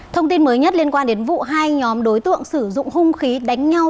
thông tin mới nhất liên quan đến vụ hai nhóm đối tượng sử dụng hung khí đánh nhau